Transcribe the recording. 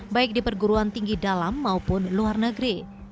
baik di perguruan tinggi dalam maupun luar negeri